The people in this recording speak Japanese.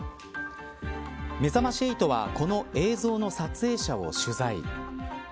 めざまし８はこの映像の撮影者を取材。